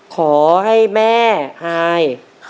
ขอให้แม่อาย